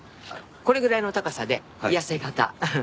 これぐらいの高さで痩せ形。